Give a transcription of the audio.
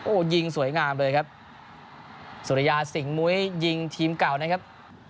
โอ้โหยิงสวยงามเลยครับสุริยาสิงหมุ้ยยิงทีมเก่านะครับ